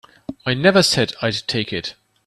I never said I'd take it.